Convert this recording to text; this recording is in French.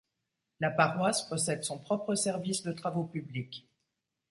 La paroisse possède son propre service de travaux publics.